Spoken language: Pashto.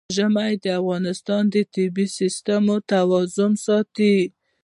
ژمی د افغانستان د طبعي سیسټم توازن ساتي.